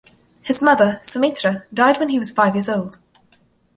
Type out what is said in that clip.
His mother, Sumitra, died when he was five years old.